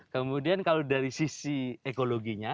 kemudian kalau dari sisi ekologinya